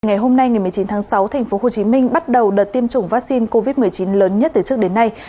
ngày hôm nay ngày một mươi chín tháng sáu tp hcm bắt đầu đợt tiêm chủng vaccine covid một mươi chín lớn nhất từ trước đến nay